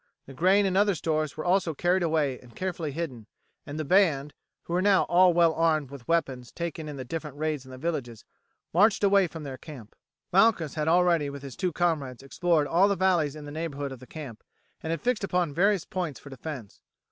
The grain and other stores were also carried away and carefully hidden, and the band, who were now all well armed with weapons taken in the different raids on the villages, marched away from their camp. Malchus had already with his two comrades explored all the valleys in the neighbourhood of the camp, and had fixed upon various points for defence.